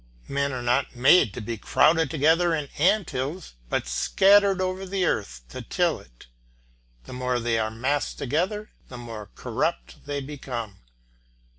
Men are not made to be crowded together in ant hills, but scattered over the earth to till it. The more they are massed together, the more corrupt they become.